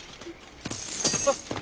あっ。